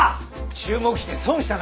注目して損したな。